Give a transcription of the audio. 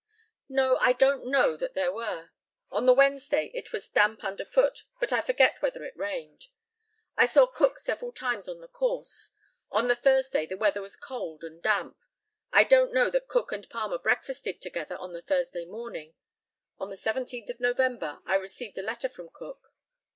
No. I don't know that there were. On the Wednesday it was damp underfoot, but I forget whether it rained. I saw Cook several times on the course. On the Thursday the weather was cold and damp. I don't know that Cook and Palmer breakfasted together on the Thursday morning. On the 17th of November I received a letter from Cook.